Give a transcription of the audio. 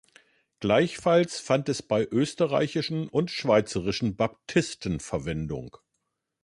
Gleichfalls fand es bei österreichischen und schweizerischen Baptisten Verwendung.